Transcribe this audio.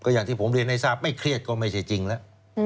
อย่างที่ผมเรียนให้ทราบไม่เครียดก็ไม่ใช่จริงแล้ว